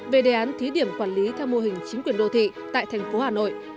về đề án thí điểm quản lý theo mô hình chính quyền đô thị tại thành phố hà nội